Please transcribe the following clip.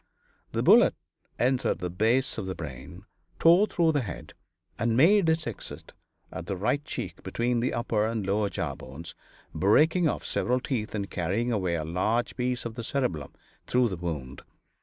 The bullet entered the base of the brain, tore through the head, and made its exit at the right cheek, between the upper and lower jaw bones, breaking off several teeth and carrying away a large piece of the cerebellum through the wound.